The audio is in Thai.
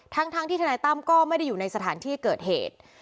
ทั้งที่ทนายตั้มก็ไม่ได้อยู่ในสถานที่เกิดเหตุ